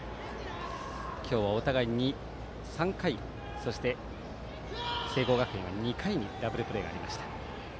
今日、お互いに３回そして、聖光学院は２回にダブルプレーがありました。